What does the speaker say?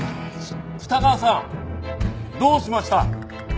二川さんどうしました？